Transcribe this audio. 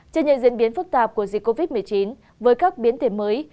trên những diễn biến phức tạp của dịch covid một mươi chín với các biến thể mới